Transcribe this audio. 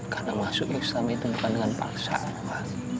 karena masuk examen itu bukan dengan paksaan bang